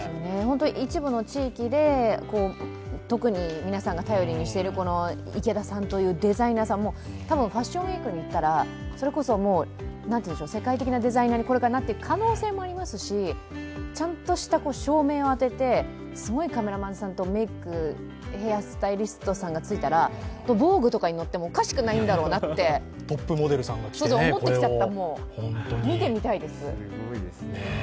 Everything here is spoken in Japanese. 一部の地域で特に皆さんが頼りにしている池田さんというデザイナーさん、多分ファッションウィークに行ったら、それこそ世界的なデザイナーにこれからなっていく可能性もありますし、ちゃんとした照明を当てて、すごいカメラマンさんとメイク、ヘアスタイリストがついたら、「ＶＯＧＵＥ」に載ってもおかしくないといってらっしゃい！